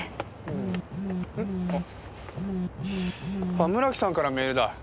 あっ村木さんからメールだ。